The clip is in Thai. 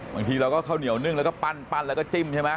บางทีเราก็ข้าวเหนียวนึ่งแล้วก็ปั้นแล้วก็จิ้มใช่ไหม